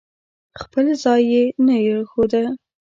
خپل ځای یې نه راښوده.